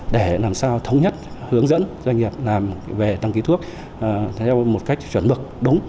để làm sao thống nhất hướng dẫn doanh nghiệp làm về đăng ký thuốc theo một cách chuẩn mực đúng